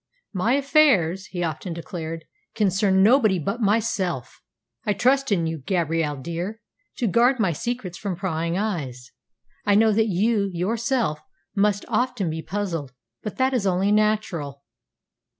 "My affairs," he often declared, "concern nobody but myself. I trust in you, Gabrielle dear, to guard my secrets from prying eyes. I know that you yourself must often be puzzled, but that is only natural."